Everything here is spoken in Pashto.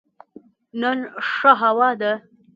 نن ښه هوا ده